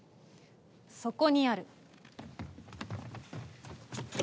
そこにある。